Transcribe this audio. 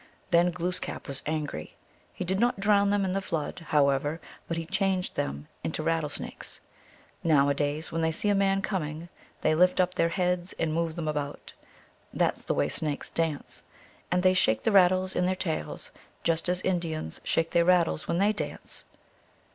Then Glooskap was angry. He did not drown them in the Flood, however, but he changed them into rattlesnakes. Nowadays, when they see a man coming, they lift up their heads and move them about. That s the way snakes dance. And they shake the rattles in their tails just as Indians shake their rattles when they dance.